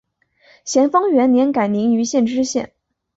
咸丰元年改临榆县知县。